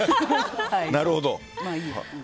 なるほど。